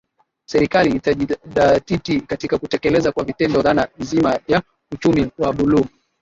Serikali itajidhatiti katika kutekeleza kwa vitendo dhana nzima ya Uchumi wa Buluu